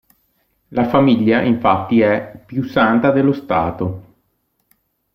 La famiglia infatti è "più santa dello Stato".